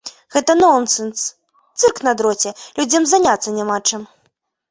Гэта нонсенс, цырк на дроце, людзям заняцца няма чым!